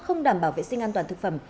không đảm bảo vệ sinh an toàn thực phẩm